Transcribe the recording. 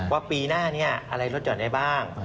ว่าปีหน้าอะไรทดหยอดได้บ้าง